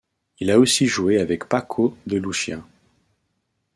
Il a aussi joué avec Paco de Lucía.